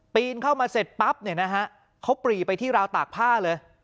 ปีนเข้ามาเสร็จปั๊บเขาปรีไปที่ราวตากผ้าเลย